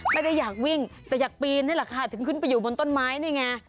ไม่ได้อยากวิ่งแต่อยากปีนนี่แหละค่ะถึงขึ้นไปอยู่บนต้นไม้นี่ไง